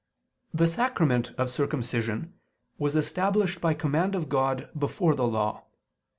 3: The sacrament of circumcision was established by command of God before the Law.